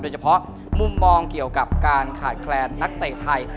เฉพาะมุมมองเกี่ยวกับการขาดแคลนนักเตะไทย